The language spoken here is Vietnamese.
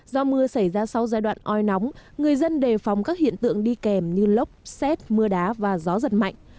do mưa xảy ra sau giai đoạn oi nóng người dân đề phòng các hiện tượng đi kèm như lốc xét mưa đá và gió giật mạnh